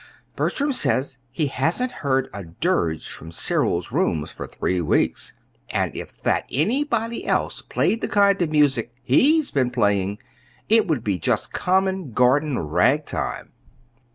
Bertram says he hasn't heard a dirge from Cyril's rooms for three weeks; and that if anybody else played the kind of music he's been playing, it would be just common garden ragtime!"